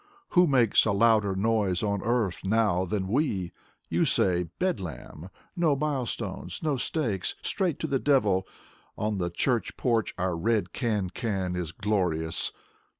Who makes a louder noise on earth now than we? You say: Bedlam — No milestones — no stakes — Straight to the devil . On the church porch our red cancan is glorious.